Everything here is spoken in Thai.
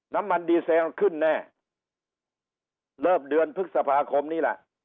น้ำมันดีเซลขึ้นแน่เริ่มเดือนพฤษภาคมนี้ล่ะ